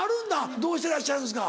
どうしてらっしゃるんですか？